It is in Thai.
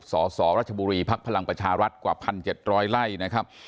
สสรัชบุรีภักดิ์พลังประชารัฐกว่า๑๗๐๐ไร่นะครับ